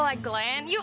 ayo lah glenn yuk